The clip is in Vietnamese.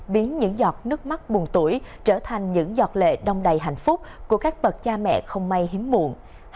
biến những giọt nước mắt buồn tuổi trở thành những giọt lệ đông đầy hạnh phúc của các bậc cha mẹ không may hiếm muộn